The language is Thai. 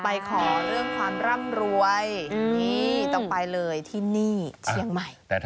ไปขอเรื่องความร่ำรวยนี่ต้องไปเลยที่นี่เชียงใหม่